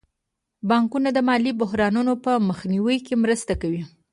بانکونه د مالي بحرانونو په مخنیوي کې مرسته کوي.